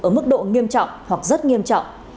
ở mức độ nghiêm trọng hoặc rất nghiêm trọng